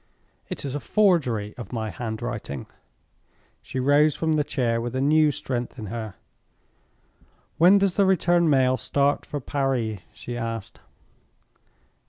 "It is a forgery of my handwriting." She rose from the chair with a new strength in her. "When does the return mail start for Paris?" she asked.